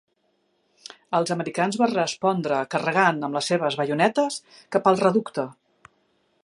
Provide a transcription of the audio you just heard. Els americans van respondre carregant amb les seves baionetes cap al reducte.